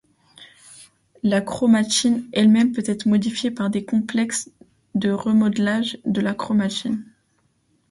La chromatine elle-même peut être modifiée par des complexes de remodelage de la chromatine.